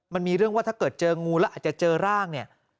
มันมีเรื่องว่าถ้าเกิดเจองูแล้วอาจจะเจอร่างเนี่ย